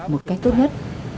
một cách tốt nhất